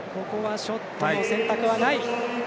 ショットの選択はない。